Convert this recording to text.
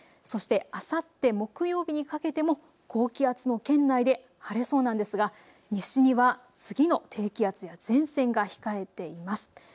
そして、あさって木曜日にかけても高気圧の圏内で晴れそうなんですが西には次の低気圧や前線が控えています。